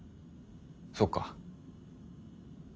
そっか。